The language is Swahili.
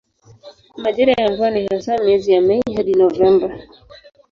Majira ya mvua ni hasa miezi ya Mei hadi Novemba.